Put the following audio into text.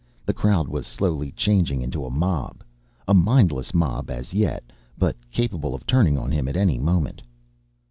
The crowd was slowly changing into a mob, a mindless mob as yet, but capable of turning on him at any moment.